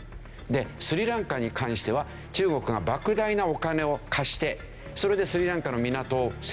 でスリランカに関しては中国が莫大なお金を貸してそれでスリランカの港を整備した。